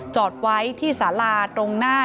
จอดไว้ที่สาราตรงหน้า